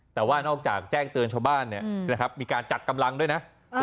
แต่นอกจากแจ้งเตือนชาวบ้านมีการจัดกำลังด้วยนะ